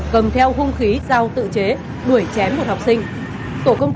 cầm theo hung khí giao tự chế đuổi chém một học sinh